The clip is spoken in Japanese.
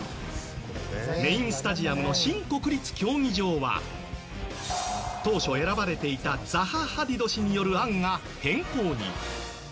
メインスタジアムの新国立競技場は当初選ばれていたザハ・ハディド氏による案が変更に。